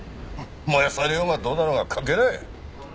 燃やされようがどうなろうが関係ない！